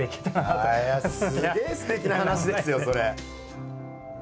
すてきな話ですよそれ。